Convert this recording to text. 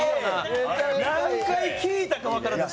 何回聴いたか分からない。